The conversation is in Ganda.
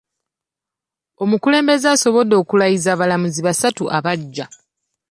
Omukulembeze asobodde okulayiza abalamuzi basatu abaggya .